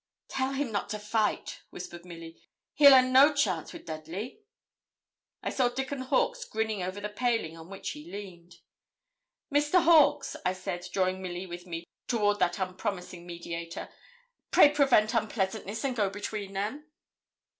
'Tell him not to fight,' whispered Milly; 'he'll a no chance wi' Dudley.' I saw Dickon Hawkes grinning over the paling on which he leaned. 'Mr. Hawkes,' I said, drawing Milly with me toward that unpromising mediator, 'pray prevent unpleasantness and go between them.'